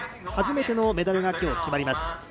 初めてのメダルが今日決まります。